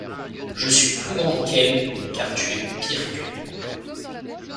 Je suis plus grandes qu’elles, car tu es pire qu’eux.